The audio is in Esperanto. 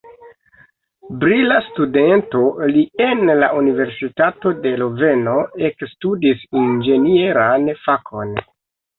Brila studento, li en la universitato de Loveno ekstudis inĝenieran fakon.